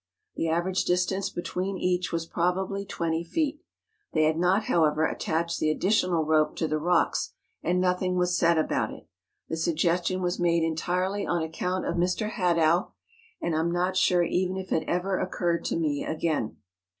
The average distance between each was probably twenty feet. They had not, however, attached the additional rope to the rocks, and nothing was said about it. The sugges¬ tion was made entirely on account of Mr. Hadow, and I am not sure even if it ever occurred to me again.